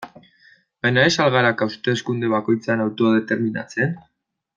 Baina ez al gara hauteskunde bakoitzean autodeterminatzen?